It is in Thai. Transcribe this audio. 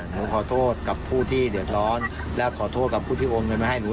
ขอโทษกับผู้ที่เดือดร้อนและขอโทษกับผู้ที่โอนเงินมาให้หนู